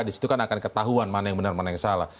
di situ kan akan ketahuan mana yang benar mana yang salah